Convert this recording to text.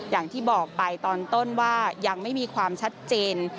อย่างที่บอกไปตอนต้นว่ายังไม่มีความชัดเจน